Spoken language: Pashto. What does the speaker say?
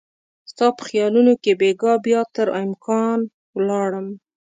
ستا په خیالونو کې بیګا بیا تر امکان ولاړ مه